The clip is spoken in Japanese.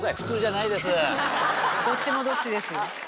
どっちもどっちです。